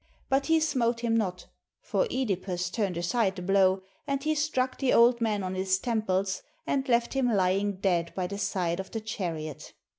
But he smote him not, for (Edipus turned aside the blow, and he struck the old man on his temples, and left him lying dead by the side of the chariot.